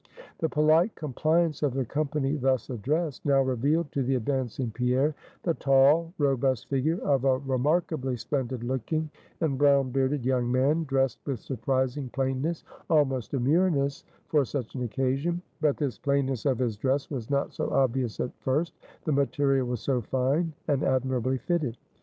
The polite compliance of the company thus addressed, now revealed to the advancing Pierre, the tall, robust figure of a remarkably splendid looking, and brown bearded young man, dressed with surprising plainness, almost demureness, for such an occasion; but this plainness of his dress was not so obvious at first, the material was so fine, and admirably fitted.